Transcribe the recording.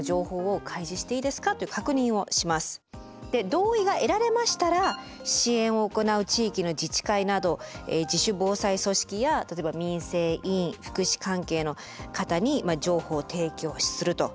同意が得られましたら支援を行う地域の自治会など自主防災組織や例えば民生委員福祉関係の方に情報を提供すると。